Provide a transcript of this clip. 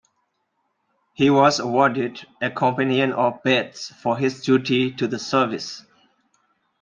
He was awarded a Companion of the Bath for his duty to the service.